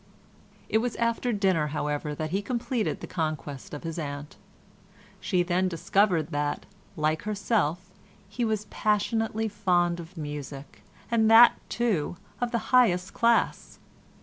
It was after dinner, however, that he completed the conquest of his aunt. She then discovered that, like herself, he was passionately fond of music, and that, too, of the highest class.